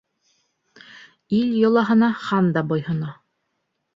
Ил йолаһына хан да буйһона.